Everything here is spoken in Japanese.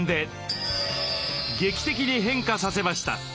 劇的に変化させました。